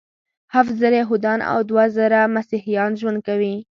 هفت زره یهودان او دوه زره مسیحیان ژوند کوي.